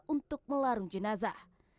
untuk melarung jenazah